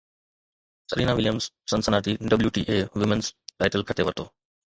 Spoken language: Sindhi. Serena Williams Cincinnati WTA women's title کٽي ورتو